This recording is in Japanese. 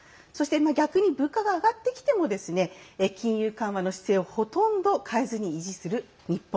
逆に、物価が上がってきても金融緩和の姿勢をほとんど変えずに維持する日本。